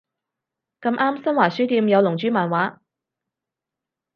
咁啱新華書店有龍珠漫畫